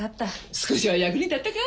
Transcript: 少しは役に立ったかい？